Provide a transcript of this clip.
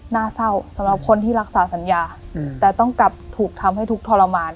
หน้าเศร้าสำหรับคนที่รักษาสัญญาแต่ต้องกลับถูกทำให้ทุกข์ทรมาน